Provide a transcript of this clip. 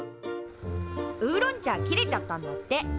ウーロン茶切れちゃったんだって。